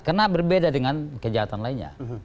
karena berbeda dengan kejahatan lainnya